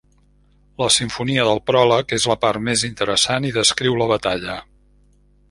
La simfonia del pròleg és la part més interessant i descriu la batalla.